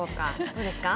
どうですか。